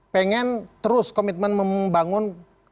pengen terus komitmen membangun